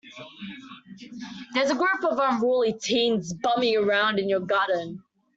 There's a group of unruly teens bumming around in your garden.